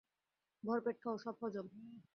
ভরপেট খাও, সব হজম।